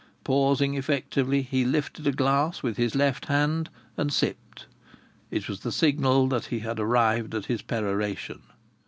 Pausing effectively, he lifted a glass with his left hand and sipped. It was the signal that he had arrived at his peroration.